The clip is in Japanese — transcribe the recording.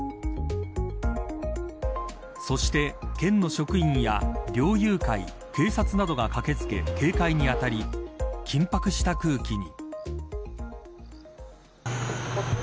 そして、県の職員や猟友会、警察などが駆け付け警戒に当たり緊迫した空気に。